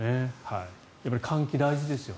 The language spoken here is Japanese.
やっぱり換気大事ですよ。